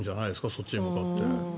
そっちに向かって。